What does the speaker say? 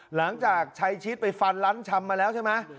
หลังจากชัยชิดไปฟันร้านชำมาแล้วใช่ไหม